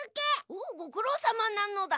おおごくろうさまなのだ。